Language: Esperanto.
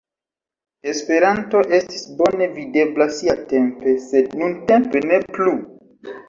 Esperanto estis bone videbla siatempe, sed nuntempe ne plu.